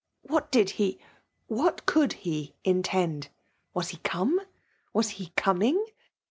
— What did he, — ^what could he intend ?— ^Waar he come ?— Was he coming